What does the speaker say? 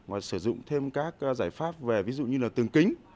mà sử dụng thêm các giải pháp về ví dụ như là tường kính